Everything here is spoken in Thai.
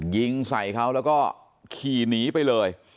ยิงใส่เขาแล้วก็ขี่หนีไปเลย